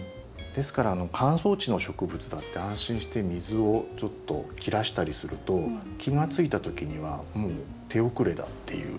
ですから乾燥地の植物だって安心して水をちょっと切らしたりすると気が付いた時にはもう手遅れだっていう。